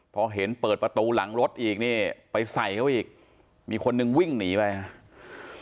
พอเห็นเปิดประตูหลังรถอีกนี่ไปใส่เขาอีกมีคนนึงวิ่งหนีไปครับ